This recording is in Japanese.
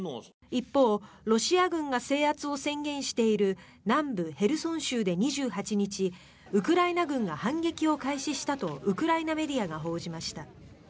一方、ロシア軍が制圧を宣言している南部ヘルソン州で２８日ウクライナ軍が反撃を開始したとウクライナメディアが報じました。